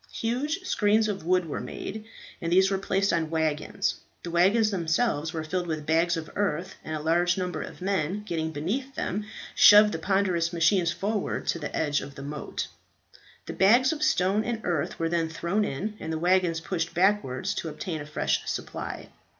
Huge screens of wood were made, and these were placed on waggons; the waggons themselves were filled with bags of earth, and a large number of men getting beneath them shoved the ponderous machines forward to the edge of the moat. The bags of stones and earth were then thrown in, and the waggons pushed backwards to obtain a fresh supply.